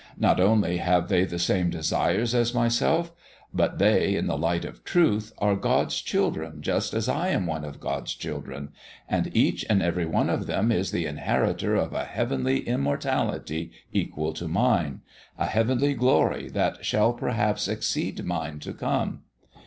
Not only have they the same desires as myself, but they, in the light of truth, are God's children just as I am one of God's children, and each and every one of them is the inheritor of a heavenly immortality equal to mine a heavenly glory that shall, perhaps, exceed mine to come.